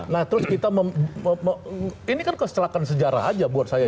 nah terus kita ini kan kecelakaan sejarah aja buat saya